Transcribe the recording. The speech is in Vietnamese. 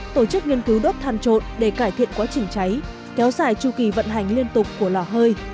tổ chức nghiên cứu đốt than trộn để cải thiện quá trình cháy kéo dài tru kỳ vận hành liên tục của lò hơi